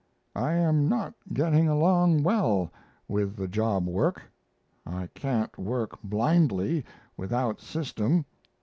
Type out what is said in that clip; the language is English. I am not getting along well with the job work. I can't work blindly without system.